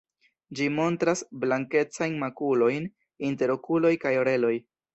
Ĝi montras blankecajn makulojn inter okuloj kaj oreloj.